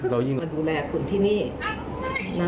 เรายิ่งมาดูแลคุณที่นี่นะคะ